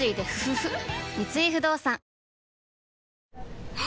三井不動産あ！